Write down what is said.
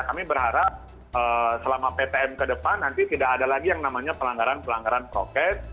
kami berharap selama ptm ke depan nanti tidak ada lagi yang namanya pelanggaran pelanggaran prokes